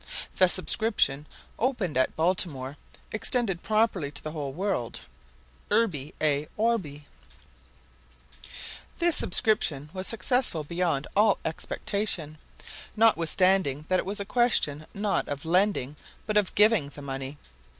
The subscription opened at Baltimore extended properly to the whole world—Urbi et orbi. This subscription was successful beyond all expectation; notwithstanding that it was a question not of lending but of giving the money.